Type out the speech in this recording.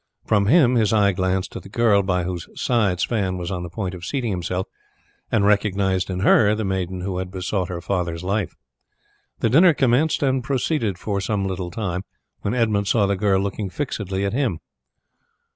From him his eye glanced at the girl by whose side Sweyn was on the point of seating himself, and recognized in her the maiden who had besought her father's life. The dinner commenced and proceeded for some little time, when Edmund saw the girl looking fixedly at him.